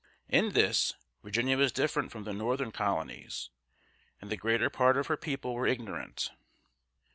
In this, Virginia was different from the Northern colonies, and the greater part of her people were ignorant.